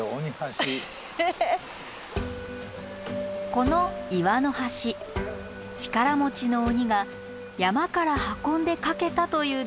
この岩の橋力持ちの鬼が山から運んで架けたという伝説があるんです。